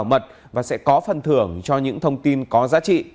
cơ quan công an sẽ được bảo mật và sẽ có phần thưởng cho những thông tin có giá trị